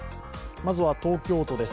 まずは東京都です。